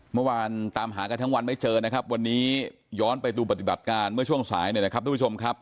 เมื่อวานตามหากันทั้งวันไม่เจอนะครับวันนี้ย้อนไปดูปฏิบัติการเมื่อช่วงสายหน่อยนะครับทุกผู้ชมครับ